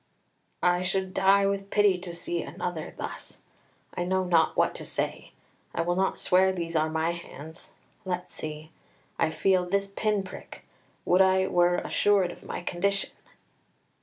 "I should die with pity to see another thus. I know not what to say. I will not swear these are my hands; let's see. I feel this pin prick. Would I were assured of my condition!"